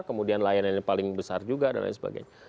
kemudian lion air yang paling besar juga dan lain sebagainya